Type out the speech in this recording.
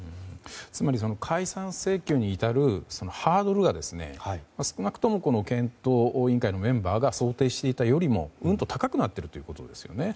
つまり、解散請求に至るハードルが、少なくとも検討委員会メンバーが想定していたよりもうんと高くなっているということですよね。